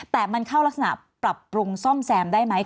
แต่มันเข้ารักษณะปรับปรุงซ่อมแซมได้ไหม